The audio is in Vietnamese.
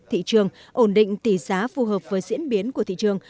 thị trường ổn định tỷ giá phù hợp với diễn biến của thị trường